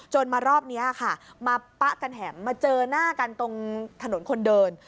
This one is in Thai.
มารอบนี้ค่ะมาปะกันแถมมาเจอหน้ากันตรงถนนคนเดิน